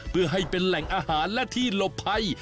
เพื่อให้เป็นแหล่งอาหารและที่หลบภัย